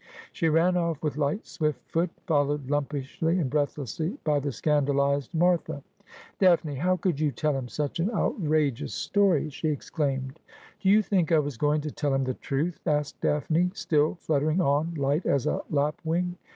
She ran off with light swift foot, followed lumpishly and breathlessly by the scandalised Martha. 22 Asphodel. ' Daphne, how could you tell him such an outrageous story ? she exclaimed. ' Do you think I was going to tell him the truth ?' asked Daphne, still fluttering on, light as a lapwing.